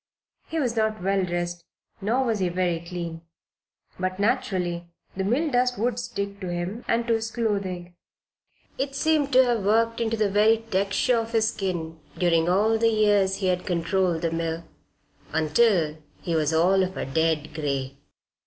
He was not well dressed, nor was he very clean. But naturally the mill dust would stick to him and to his clothing. It seemed to have worked into the very texture of his skin during all the years he had controlled the mill, until he was all of a dead gray.